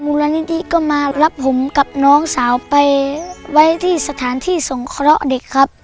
มูลนิธิก็มารับผมกับน้องสาวไปไว้ที่สถานที่สงเคราะห์เด็กครับ